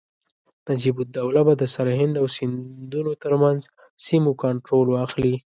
نجیب الدوله به د سرهند او سیندونو ترمنځ سیمو کنټرول واخلي.